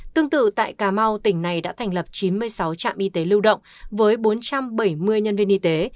tương tự tại cà mau tỉnh này đã thành lập chín mươi sáu trạm y tế lưu động với bốn trăm bảy mươi nhân viên y tế